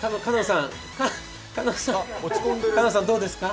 翔音さん、どうですか？